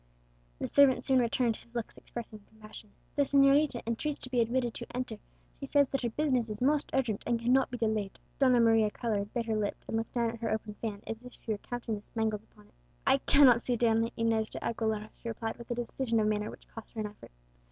The servant soon returned, his looks expressing compassion. "The señorita entreats to be admitted to enter; she says that her business is most urgent, and cannot be delayed." Donna Maria coloured, bit her lip, and looked down at her open fan, as if she were counting the spangles upon it. "I cannot see Donna Inez de Aguilera," she replied, with a decision of manner which cost her an effort.